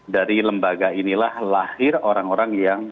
dari lembaga inilah lahir orang orang yang